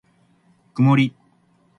くもり